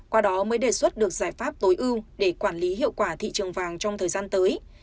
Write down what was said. qua đó mới đề xuất được giải pháp tối ưu để quản lý hiệu quả thị trường vàng trong thời gian tới